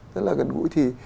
rất là gần gũi